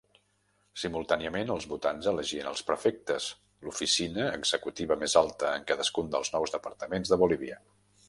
Simultàniament els votants elegien els prefectes, l'oficina executiva més alta en cadascun dels nou departaments de Bolívia.